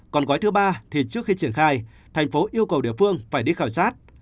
còn gói thứ ba thì trước khi triển khai thành phố yêu cầu địa phương phải đi khảo sát